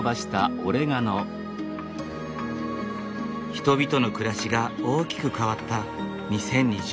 人々の暮らしが大きく変わった２０２０年。